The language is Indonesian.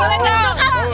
iya betul dong